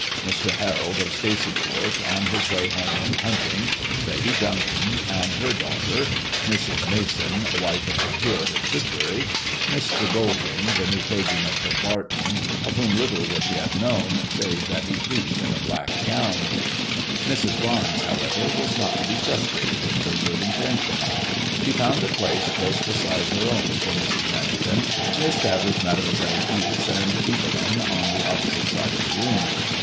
Mr. Harold, of Stacey Court, on his way home from hunting; Lady Duncombe and her daughter; 48 MADEMOISBLLB IXK, Mrs. Mason, wife of the curate at Tidbury; Mr. Golding, the new clergyman from Barton^ of whom little was yet known , nave that he preached in a black gown. Mrs. Barnes, however, was not to be frustrated in her good intentions. She found a place close beside her own for Mrs. Merrington^ and established Mademoiselle Ixe and Evelyn in the opposite side of the room.